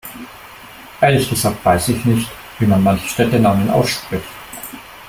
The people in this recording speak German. Ehrlich gesagt weiß ich nicht, wie man manche Städtenamen ausspricht.